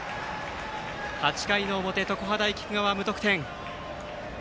８回の表、常葉大菊川、無得点。